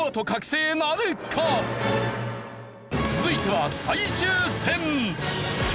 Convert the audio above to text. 続いては最終戦。